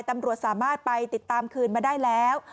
ตำรวจสามารถไปติดตามคืนมาได้แล้ว